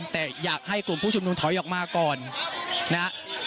แต่อยากให้กลุ่มผู้ชุมนุมถอยออกมาก่อนนะฮะ